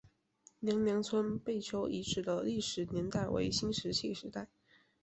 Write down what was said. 娘娘村贝丘遗址的历史年代为新石器时代。